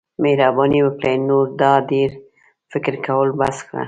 مهرباني وکړه نور دا ډیر فکر کول بس کړه.